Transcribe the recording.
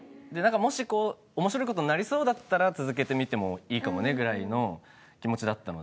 もしこう面白い事になりそうだったら続けてみてもいいかもねぐらいの気持ちだったので。